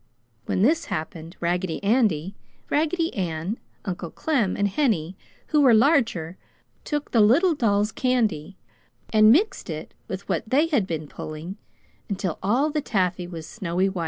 When this happened, Raggedy Andy, Raggedy Ann, Uncle Clem and Henny, who were larger, took the little dolls' candy and mixed it with what they had been pulling until all the taffy was snow white.